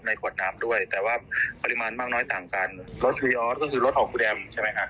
ในขวดน้ำด้วยแต่ว่าปริมาณมากน้อยต่างกันรถก็คือรถของครูแดมใช่ไหมฮะ